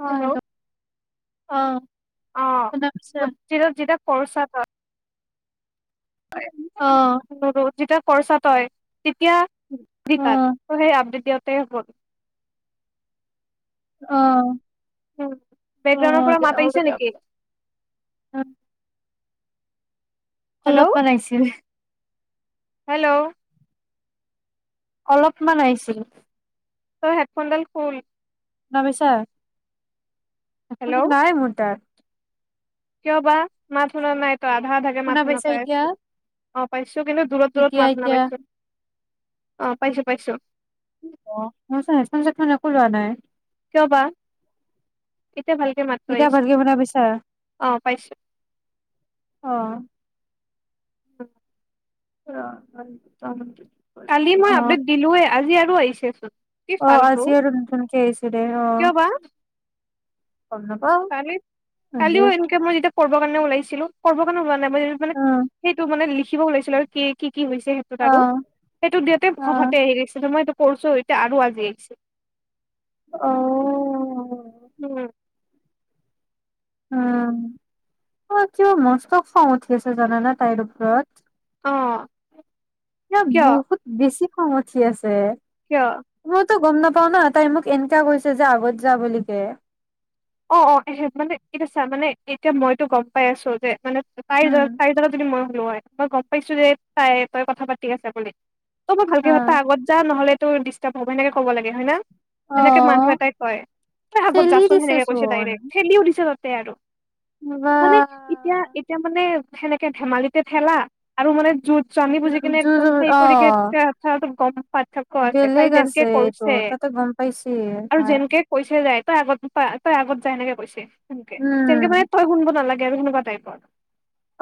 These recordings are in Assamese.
অ হেল্ল' অ। শুনা পাইছা অ [unintelligible] অ [unintelligible] খৰ্চাত হয় তেতিয়া অ িক সেই আপদেত দিয়ক দেৰ ফুট অ উ অ বেকগ্ৰাউণ্ডৰ পৰা মাত হ'ব আহিছে দিয়ক নেক অলপ মান আহিছিল হেল্ল' অলপমান আহিছিল তোৰ হেডফোনডাল খোল নমি ছাৰ হেল্ল' নাই মোটা কিয় বা মাত শুনাৰ নাই ত আধা আধাকে মাত শুনা পাইছা পাই এতিয়া আছো অ পাইছোঁ শুনিছোঁ কিন্তু দূৰত দূৰত এতিয়া মাত শুনা এতিয়া পাইছোঁ অ পাইছোঁ পাইছোঁ মই চোন হেদফোন চেদফোন একো লোৱা নাই কিয় বা এতিয়া ভালকে মাতটো এতিয়া আহিছে ভালকে শুনা পাইছা অ পাইছোঁ অ উ অ চম কালি মই আপডেট দিলোৱে আজি আৰু আকৌ আহিছে চোন আহ আজি আৰু নতুনকে আহিছিলে আহ কিয় বা কালি আজি। কালিও এনেকে মই যেতিয়া কৰিবৰ কাৰণে ওলাইছো ছিলো কৰিব কাৰণে ওলোৱা নাই ম মানে অ সেইটো মানে লিখিব ওলাইছিলো আৰু কি কি হৈছে সেইটোত অ আৰু সেইটো দিওঁতে অ হঠাতে আহি গৈছিল মই কৰিছোঁ এতিয়া আৰু আজি আহিছে উম অঔ উম অ কিবা মস্ত খং উঠি আছে জানানা তাইৰ ওপৰত অ এতিয়া কিয় বহুত বেছি খং উঠি আছে কিয় তো গম নাপাওঁ ন তাই মোক এনকা কৈছে যে আগত যা বুলি কে অ অ হে মানে এতিয়া চা মানে এতিয়া মইতো গম পাই আছোঁ যে মানে তাইৰ উম, দৰে তাইৰ দৰে যদি মই হ মই গম পাইছো যে তাই তই কথা পাতি আছ বুলি ত মই হা ভালকে কথাা আগত যা নহলে ডিষ্টাৰ্ব হ'ব সেকে ক'ব লাগে হয় নে সেনেকে মানুহ অ', এটাই কয় তই আগত ঠেলি যাচোন দিছে সেনেকে ছে চোন ডাইৰেক খেলি তে আৰু বা মানে এতিয়া এতিয়া মানে সেনেকে ধেমালিতে ঠেলা আৰু মানে যত স্বামী বুজিকিনে একদম সেই কৰি অ', কিনে কম পাত পাৰ্থক্য আছে তাই বেলেগ যেনেকে আছে এইটো কৰিছে তাতে গম পাইছিল আৰু হয়, যেনেকে কৈছে যাই আগত তই আগত যায়নেকে কৈছেি তেেকে তেনেকে মে উম। তই গুন নালাগে সেনেকোৱা টাইপৰ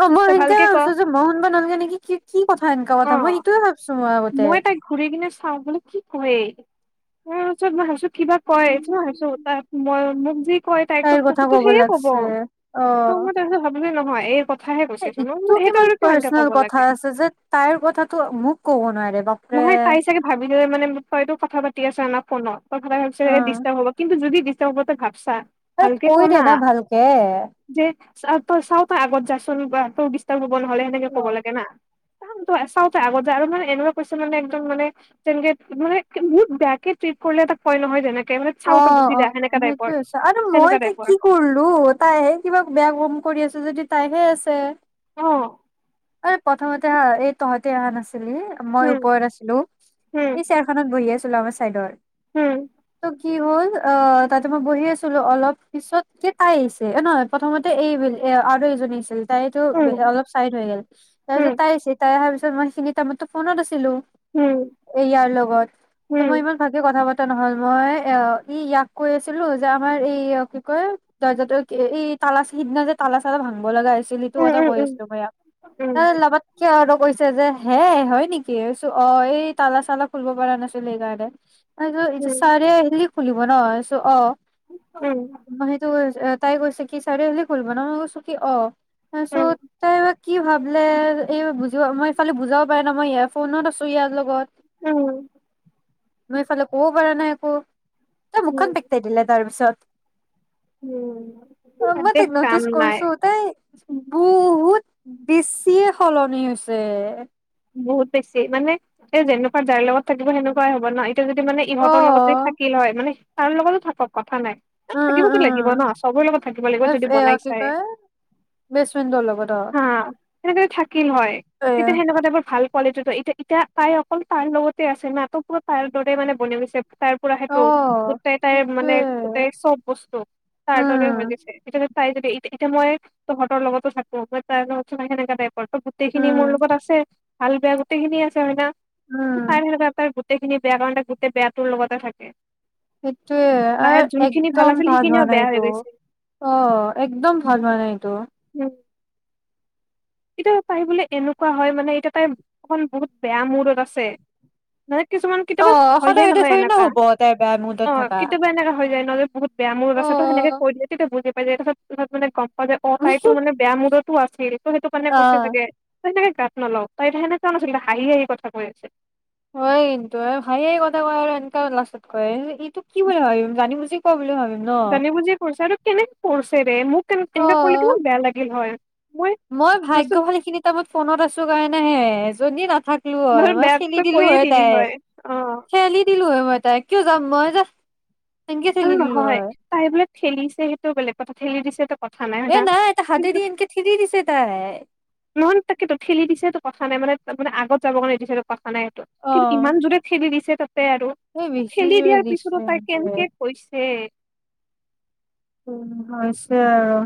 অ মই তই সেনকাই ভালকে ক ভাবিছো যে মই শুনবা নহগে নেকি কি কি কথা সনেুৱা অ কথা মই সটোয়ে ভাবিছো মই আগতে তাইক ঘূৰি কিনে চাওঁ বোলে কি কয় তাৰপিছত মই ভাবিছো কিবা কয় মই ভাবিছো ত মই মোক যি কয় তাইক তাইৰ কথা তোকো তো সেয়ে কব লাগছে তো অ'। মই তাৰছত ভাবিলে নহয় এই কথা ইটো কিমান পাৰ্চনেল লাগে কথা আছে যে তাইৰ কথাটো মোক ক'ব নোৱাৰে বাপে নহয় তাই চাগে ভাবিলে মানে হয়তো কথা পাতি আছে আনা ফোনত ভ অ ডিষ্টাৰ হব কিন্তু যদিিাৰ হব আৰে ভালকে ক কৈ দে না ভালকে যে তই চাও তই আগত যাইচোন তই বিস্তাৰ নহ'লে সেনেকে অ ক'ব লাগে না চাওতে আগতে যে আৰু মানে এনেকুৱা কৈছে মানে একদম মানে তেনেকে মানে মত বেয়াকে ট্ৰিট কৰিলে এটা কয় নহয় যেনেকে মানে চাউনচো গুচি অ যায় সেনেকা টাইপৰ সেইটোয়ে হৈছে আৰু সেনেকা মই তই টাইপৰ কি কৰিলো তাইহে কিবা বেয়া কম কৰি আছ যদি তাইহে আছে অ এই প্ৰথমতে হা এই তহতে অহা নাছিল মই উম ওপৰত আছিলো উম এই চেয়াৰ খত বহি আছো চোলাৱা ছাইডৰ উম। কি হ'ল অ তাতে মই বহি আছিলো অলপ পিছত যে তাই আহিছে, অ নহয় প্ৰথমতে এই এ আৰু এইজনী আহিছে তাইতো বে উম অলপ চাইড হৈ গেল। উম তাৰপিছত তাই আহিছে এটা তাই আহাৰ পিছত মই সেইখিনি টাইমতো ফোনত আছিলো উম এইয়াৰ লগত, ত উম মই ইমান ভালকে কথা পাত নহল মই অ ই ইয়াক কৈ আছিলো যে আমাৰ এই অ কি কয় দৰ্জাটো এই তালাচ সিদিনা যে তালা চালা ভাংব লগা ছিলিটো উম কথা কৈ উম আছিলো ভাইয়াক। উম এ লবত কে তঁত কৈছে যে হে হয় নেকি? ঐছোঁ অ এই তালা চালা খুলব পৰা নাছিল সেইকাৰণে। তাৰপিছত উম এইটো চাৰে হিলি খুলিব নইছো অ। উম ন সেইটো [unintelligible] তাই কৈছে কি চাৰে আহিলে কৰিব ন? মই কৈছো কি অ উম তাৰপিছত তাই বা ভাবিলে এই বুজোৱা মই এইফালে বুজাব পাৰা নাই মই ইয়াক। ফোনত আছো ইয়াৰ লগত। উম মই এইফালে ক'ব পৰা নাই একো। এই উম মুখখন বেকটাই দিলে তাৰপিছত। উম অ মই দেশ তাইক কাম নটিছ নাই কৰিছো তাই বহুত বেছিয়ে সলনি হৈছে! বহুত বেছি মানে এ যেনেকুৱা যাৰ লগত থাকিব সেনেকুৱাই হ'ব ন এই এতিয়া যদি মানে অ ইহঁতৰ লগত যদি থাকি লয় মানে তাৰ লগতো থাকক কথা নাই। উম উম থাকিবতো লাগিব উম ন চবৰে লগত। থাকিব লাগিব এফ যদি এ এয়া বনাই কি চাই কয় বেচমেন্টৰ লগত অ হা, সেনেক থাকিল হয় এয়া তেতিয়া সেনেকুৱা। ভাল কোৱালিটি তো এতিয়া-এতিয়া তাই অকল তাইৰ লগতে আছে না ত পৰা তাইৰ দৰে মানে বন গৈছে। তাৰ পৰা অ সেইটো গোটেই তাই মানে সেইটোৱে গোটেই চব বস্তু তাৰ দৰে উম হৈ গৈছে এতিয়া। চাই যদিয়া, এতিয়া মই তহঁতৰ লগতো থাকো। মই তাই সেনেককা বাই কাপোৰ গোটেই খিনি উম মোৰ লগত আছে। ভাল-বেয়া গোটেইখিনি আছে হয় ন? উম চাৰে হাজাৰ তাৰ সিনি বেয়া কাৰণে লগত থাকে। সেইটোৱে লাহে আহ', যোনখিনি একদম আছিল ভাল সেইখিনিও হোৱানাই বেয়া হৈ গৈছে অহ', একদম ভাল হোৱানাই এইটো। উম এতিয়া তাইবোলে এনেকুৱা হয় মানে, এতিয়া তাইৰ এখন বহুত বেয়া মূডত আছে। মানে কিছুমান অ কেতিয়াবা হৈ সদায় যায় সদায় নহয় থৰি না এনেকা। হ'ব তাই বেয়া মুডত অ', থাকা কেতিয়াবা এনেকা হৈ যায় ন। নাৰে বহুত। বেয়া মুডত অ আছেটো সেনেযে কৈ দিলতো বুজি ত মানে গম [unintelligible] কৈছে অহ', তাইতটো মানে বেয়া মুডত। তো আছিল। তহ, সেইটো কাৰণে অ কৈছে চাগে। তাত নলও। তই এয়া সেনেকুৱা নাছিল হাঁহি - হাঁহি কথা কৈ আছে। হয় কিন্তু হাহি-হাহি কথা কয় আৰু এনেকা লাষ্টত কয় এইটো কি বুলি ভাবিম জানি বুজি ক জানি বুজিয় কৰিছে আৰু কেনেকে কৰিছেৰে মোক কেনে - কেনেকে পলে অ কিমান বেয়া লাগিল হয়। মই ফাৰ্ষ্টত ভাগ্যশালী খিনি টমত ফোনত আছো কাৰণে হে। যদি নাথাকে। থাকলো হয়। ধৰ মই ঠেলি বেয়াকৈ দিলো কৈয়ে হয় দিলি তাইক অ ঠেলি দিলো হয়। মই তাই কিয় যাম মই যাহ আৰু নহয় তাইবোলে ঠেলিছে সেইটো বেলেগ কথা। ঠেলি দিছে ত এহ, নাই এটা হাতেদি এনকে ঠেলি দিছে তাই। নহয় তাকেতো ঠেলি দিছে ত', কথা নাই। মানে ত মান আগত যাব কাৰণে দিছে ত ক নাই এইটো অ কিন্তু ইমান জোৰে ঠেলি দিছে। তে আৰু এই বেছি ঠেলি জোৰে দিয়াৰ দিছে পিছতো তাই এনেকে। কেনেকে কৈছে। উম', হৈছে আৰু।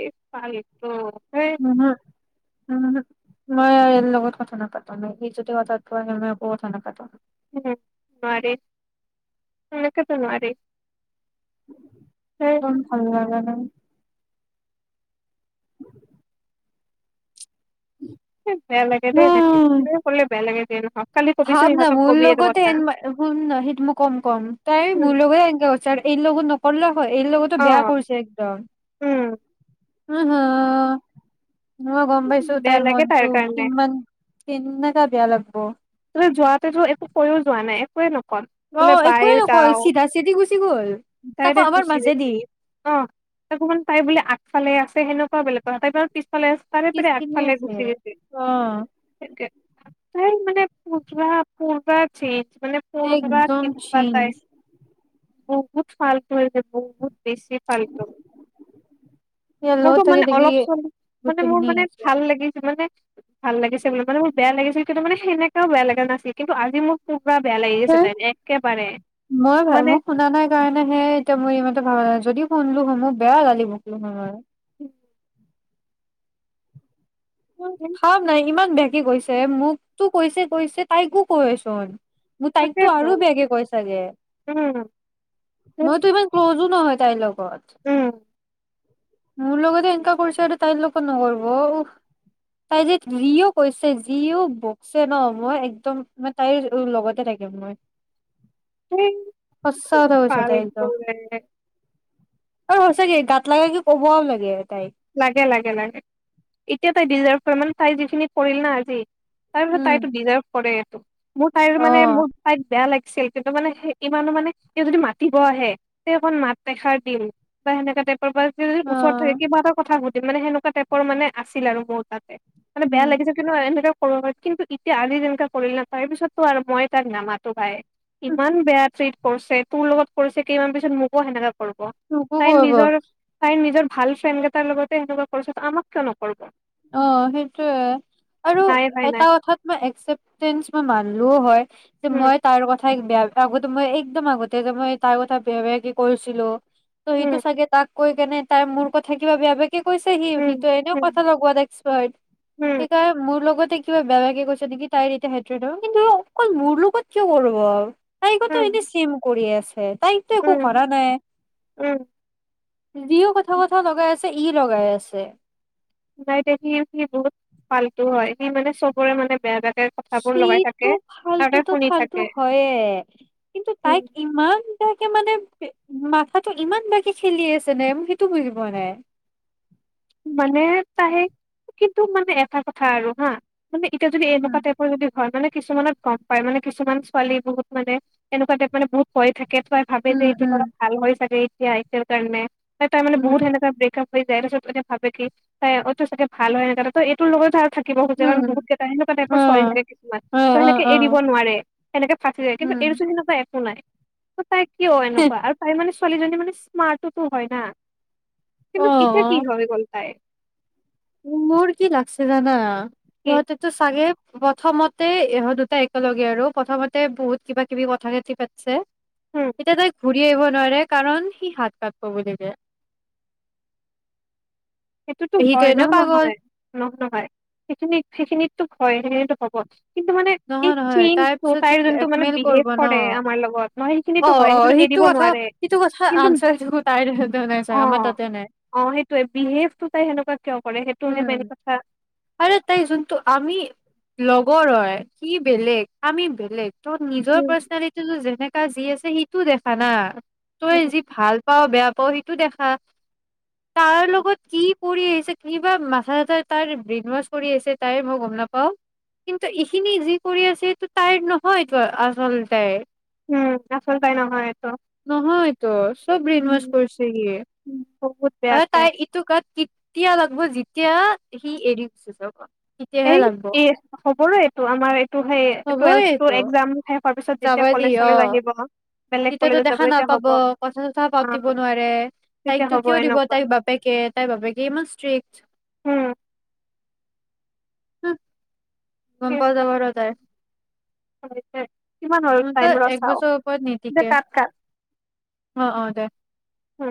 এই পাল এইটো উম', হ - উম', হ মই ইয়াৰ লগত কথা নাপাতো নায়। ই যদি কথাটো আহে মই একো কথা নাপাতো। উম', নোৱাৰি এনেকেতো নোৱাৰি। হেই বহুত ভাল লাগে ন। বেয়া লাগে দে, এনেকে - নাই এনেকোৱা কৰিলে বেয়া লাগে। তে ৰখা ভাব ন মোৰ লগতে এন, শুন ন সেইটো মই কম- কম তাই উম মোৰ লগতে এনকা কৰছে আৰু এই লগত নক অলপ এই লগতো অ বেয়া কৰিছে একদম। উম উ', হু', ন গম পাইছো বেয়া তাইৰ লাগে মনতটো কাৰণে কিমান। কেনেকা বেয়া লাগব যোৱাতেতো একো কয়ও যোৱা নাই একোৱে নহয় অ বোলে বাই একোৱে নকল যাওঁ চিধা চিধি গুচি গ'ল তাই তাকো আমাৰ গুচি মাজেদি গইছে অ তাকো মানে তাই বোলে আগফালে আছে সেনো পোৱালে তাই বাৰু পিছফালৰ ফালে চাই পানে পিছপিনে আগফালে আছে গুচি গৈছি অ তাই মানে পূজা পূৰ্বা চে মানে পত বা একদম কমিবা চিন তাই বহুত ফালটো ইয়াতে বহুত বেছি ফালটো ইয়াৰ লগত মোৰতো থাকি মানে থাকি অলপ চলপ মানে মোৰ গোটেইখিনি মানে আছে ভাল লাগিছে মানে ভাল লাগিছে বোলে মানে মোৰ বেয়া লাগিছে কি কিন্তু মানে সেনে বেয়া লাগে নাছিল কিন্তু আজি মোৰ পুৰা বেয়া লাগি হে গৈছে তাই একেবাৰে মই ভ মানে মোক শুনা নাই কাৰণে হে এতিয়া মই ই মতে ভবা নাই যদিও শুনলো হয় মো‌ বেয়া গালি বকলো হয় আৰু উম খাম নাই ইমান বেয়া কি কৈছে মোক তো কৈছে কৈছে তাইকো কৈচোন মোক তাইকতো তাকেতো আৰু বেয়াকে কৈ ছাগে উম উম মইতো ইমান ক্ল'জো নহয় তাইৰ লগত লগত মোৰ লগতে এনেকা কৰিছে আৰু তাইৰ লগত নকৰিব উফ তাই যে যিও কৈছে যিও বকিছে ন মই একদম মে তাইৰ লগতে থাকিম মই উম সঁচা কথা কৈছে ভাল তাই একদম কৰে অ হৈছে কি গাত লাগা কি ক'বও লাগে লাগে লাগে লাগে এতিয়া তাই ডিজাৰভ তাই যিখিনি কৰিল না আজি তাৰপিছত উম। তাইতো ডিজাৰ্ভ কৰে ত মোৰ তাইৰ অ মানে মোৰ তাইক বেয়া লাগিছিল কিন্তু মানে। সেই ইমানো মানে এতিয়া যদি মাতিব আহে তে অকখন মাত এখাৰ দিম বা সেনেকা তাইপৰ অ ওচৰত থাকে কি ব মানে সেনেকুৱা টাইপৰ মানে আছিল আৰু মোৰ তাতে মানে বেয়া উম লাগিছে কিন্তু এনেকে সৰু হয় কিন্তু ইতিয়া আজি যেনকা কৰিল না তাৰ পিছতটো আৰু মই তাইক নামাতো ভাই ইমান বেয়া টিৰত কৰিছে তোৰ লগত কৰিছে কেইমান পিছত মোকো সেনেককাা মোকো তাইৰ কৰিব নিজৰ তাইৰ নিজৰ ভাল ফ্ৰে তাৰ লগতে এনেুৱা কৰিছে আমাক কিয় নকব অ সেইটোোৱে আৰু নাই নাই নাই এটা কথাত মই একচেপটেঞ্চ মই মানলোও হয় যে উম মই তাৰ কথা তাইেয়া আগতে মই একদম আগতে মই তাৰ কথা বিেয়া বেয়া কি কৰিছিলো ত উম সেইটো চাগে তাক কৈ কেনে তাই মূোৰ কৈ থাকিবা বেয়া বে কৈছে সি উম সিটো এনেও উম কথা লগ [unintelligible] তোৰ উম লগতে কিবা বেয়াকে কৈছে দেকি তাইৰ এতিয়া হেতৰা থব কিন্তু অকল মোৰ লগত কিয় কৰিব তাই কত উম এনে চিম কৰি আছে তাই ত একো উম ঘৰা নাই উম যদিও কথা বথা লগাই আছে ই লগাই আছে নাই দে সি সি বহুত ভালতটো হয় সি মানে চবৰে মানে বেয়া ব সিটো ফালটুতো শুনি ফাল্তু থাকে হয়ে কিন্তু উম তাইক ইমান এাকে মানে মাথাটো ইমান বাকী খেলি আছে নে মোক সেইটো বুজি পোৱা নাই মানে তাহে কিন্তু মানে এটা কথা আৰু হা মানে এতি যদি এনেুৱা উম, টাইৰ যদি হয় মানে কিছুমানত গম পাই মানে কিছুমান ছোৱালী বহুত মানে এনেকুৱা টাইপ মানে বহুত প থাকে কেটুৱাই ভাবে যে উম, এইটো উম, অলপ ভাল হয় চাগে য়াইছেল কাৰণে তাই মানে উম, বহুত সেনেকা ব্ৰেকআপ যাই তাৰপিছত এতিয়া ভাবে কি তাই অটো চাগে ভাল হয় [unintelligible] এইটোৰ লগত থাকি থাকিব খোজে কাৰণ বহুত উম। কেইটা সেনেকুৱা টাইপৰ ছোৱালী অ', লাগে কিছুমান ত অ', সেনেক অ', এৰিব অ'। নোৱাৰে সেনেকে ফাছি যায় কিন্তু এই উম। বস্তুটোত সেনেকুৱা একো নাই তাইক কিয় এনেকুৱা আৰু তাই মানে ছোৱালীজনী মানে স্মাৰ্টতো হয় না কিন্তু এটা কি অ', হয় গল্ হয় মোৰ কি লাগছে জানা কি সিহঁতেতো চাগে প্ৰথমতে ইহত দুটা একেলগে আৰু প্ৰথমতে বহুত কিবা কিবি কথা খিনি পাতিছে উম এতিয়া তাই ঘুৰি আহিব নোৱাৰে কাৰণ সি হাত কাতিব বুলিকে সেইটোতো হয় ন নহয় নহ নহয় সেইখিনিত সেইখিনিতো হয় এইখিনিয়েইতো [unintelligible] কিন্তু মানে এই নহয় নহয় তাইৰ চেইঞ্জতো পিছত তাই যে যোনতো মানে ব্লেকমেইল বিহেভ কৰিব ন কৰে আমাৰ লগত ন অ সেইখিনিটো হয় অ সেইটোতো সেইটো এৰিব কথা নোৱাৰে সেইটো কথা কিন্তু আনচাৰটো তাইৰ তাতে নাই [inaudible] চাগে অ আমাৰ অ সেইটোৱে বিহেভ উ আৰু তাই যোনতো আমি লগৰ হয় সি বেলেগ আমি বেলেগ ত' নিজৰ উম পাৰ্চনেলিটিতো যেনেক তা যি আছে সেইটো দেখা না তই উম যি ভাল পাও বেয়া পঢ়িটো দেখা তাৰ লগত কি কৰি আহিছে কিবা মাথা চাথা তাৰ ব্ৰেইন ওৱাচ কৰি আহিছে তাই মই গম নাপাওঁ কিন্তু এখিনি যি কৰি আছে সেইটো তাইৰ নহয়টো আচল তে উম আচল তাই নহয়টো নহয় তো চব ব্ৰেইন ওৱাচ কৰিছে সিয়ে উম বহুত [inaudible] অ বেয়াকে তাই ইটো কাত তিয়া লাগিব যেতিয়া সি এৰি গুছি যাব এ তেতিয়াহে লাগব এ হবৰে আমাৰ এইটো সেই হবই টুৱেলভটোৰ এইটো এক্জাম শেষ হোৱাৰ পিছত যাব যেতিয়া কলেজ দিয় অ চলেজ আহিব বেলেগ তেতিয়াতো কলেজত যাব দেখা তেতিয়া নাপাব হ'ব অ কথা চথা পাতিব নোৱাৰে তেতিয়া তাইকো হ'ব কিয় দিব এনেকুৱা তাইক বাপেকে তাইৰ বাপেকে ইমান ষ্ট্ৰিকট উম উ গম পোৱা যাব যায়ত কিমান হ'ল টাইম ৰ চাও একবছৰৰ ওপৰত দে নিীতিকে কাট কাট অ অ দে উম